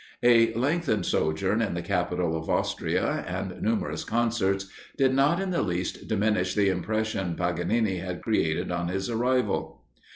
A lengthened sojourn in the capital of Austria, and numerous concerts, did not in the least diminish the impression Paganini had created on his arrival.